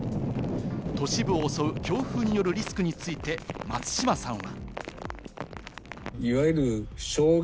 都市部を襲う強風によるリスクについて松島さんは。